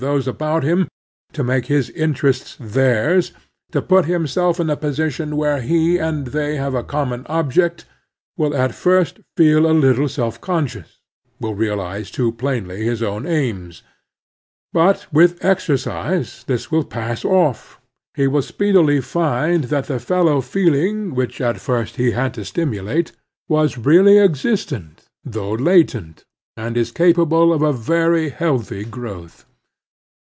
J those about him, to make his interests theirs, to ^..'^ put himself in a position where he and they have a common object, will at first feel a little sdf con scious, will realize too plainly his own aims. But A Political Factor 8s with exercise this will pass off. He will speedily find that the fellow feeling which at first he had to stimulate was really existent, though latent, and is capable of a very healthy growth.